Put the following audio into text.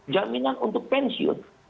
jaminan untuk pensiun